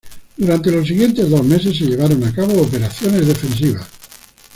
Durante los siguientes dos meses se llevaron a cabo operaciones defensivas.